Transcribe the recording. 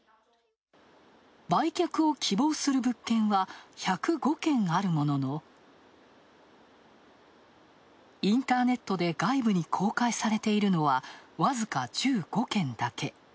売却を希望する物件は１０５件あるものの、インターネットで外部に公開されているのは、わずか１５件だけ。